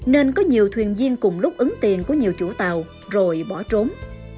nên có nhiều thuyền viên cùng lúc ứng tiền của nhiều chủ tàu rồi bỏ trốn